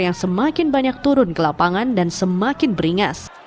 yang semakin banyak turun ke lapangan dan semakin beringas